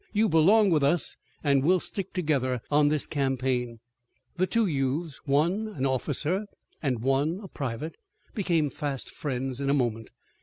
"You belong with us, and we'll stick together on this campaign." The two youths, one officer and one private, became fast friends in a moment.